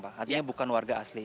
artinya bukan warga asli